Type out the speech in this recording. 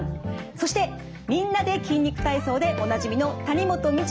そして「みんなで筋肉体操」でおなじみの谷本道哉さんです。